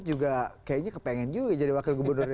kayaknya kepengen juga jadi wakil gubernur